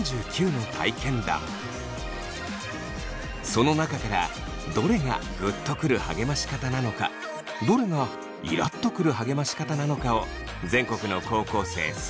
その中からどれがグッとくる励まし方なのかどれがイラッとくる励まし方なのかを全国の高校生３００人に聞きました。